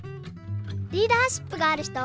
リーダーシップがあるひと。